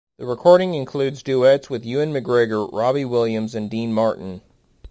The recording includes duets with Ewan McGregor, Robbie Williams and Dean Martin.